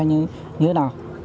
như thế nào